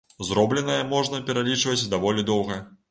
Зробленае можна пералічваць даволі доўга.